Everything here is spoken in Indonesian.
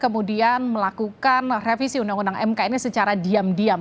kemudian melakukan revisi undang undang mk ini secara diam diam